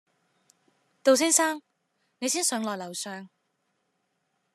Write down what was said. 杜先生，你先上來樓上